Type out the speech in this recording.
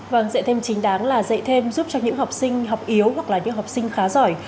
vâng dạy thêm chính đáng là dạy thêm giúp cho những học sinh học yếu hoặc là những học sinh khá giỏi